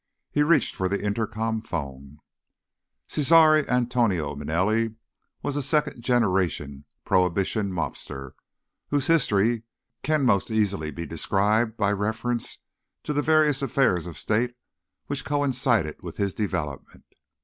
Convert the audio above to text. He reached for the intercom phone. Cesare Antonio Manelli was a second generation Prohibition mobster, whose history can most easily be described by reference to the various affairs of State which coincided with his development.